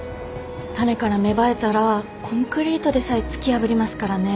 種から芽生えたらコンクリートでさえ突き破りますからね。